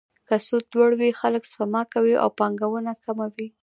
که سود لوړ وي، خلک سپما کوي او پانګونه کمه وي.